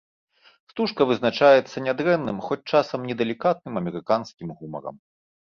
Стужка вызначаецца нядрэнным, хоць часам недалікатным амерыканскім гумарам.